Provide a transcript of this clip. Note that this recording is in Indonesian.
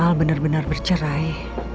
dan al benar benar bercerai